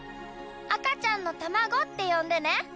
赤ちゃんのたまごってよんでね！